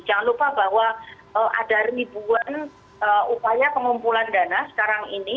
jangan lupa bahwa ada ribuan upaya pengumpulan dana sekarang ini